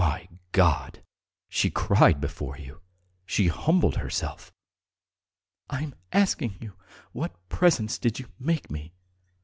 "My God! She cried before you, she humbled herself. ..." "I am asking you, what presents did you make me?"